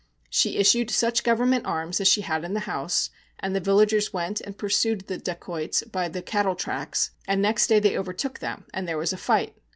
She issued such government arms as she had in the house, and the villagers went and pursued the dacoits by the cattle tracks, and next day they overtook them, and there was a fight.